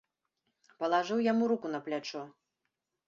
Палажыў яму руку на плячо.